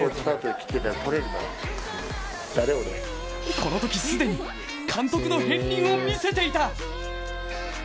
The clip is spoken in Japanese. このとき既に監督の片りんを見せていた。